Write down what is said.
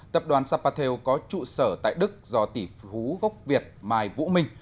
tập đoàn sapatel có trụ sở tại đức do tỷ phú gốc việt mai vũ minh